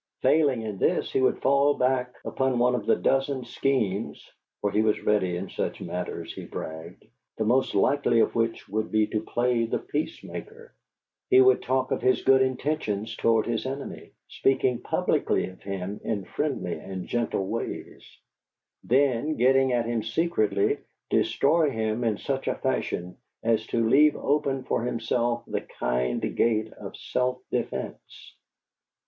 Failing in this, he would fall back upon one of a dozen schemes (for he was ready in such matters, he bragged), the most likely of which would be to play the peacemaker; he would talk of his good intentions toward his enemy, speaking publicly of him in friendly and gentle ways; then, getting at him secretly, destroy him in such a fashion as to leave open for himself the kind gate of self defence.